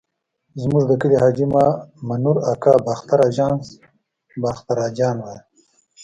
زموږ د کلي حاجي مامنور اکا باختر اژانس ته باختر اجان ویل.